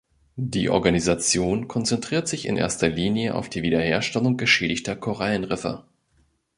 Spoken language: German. Die Organisation konzentriert sich in erster Linie auf die Wiederherstellung geschädigter Korallenriffe.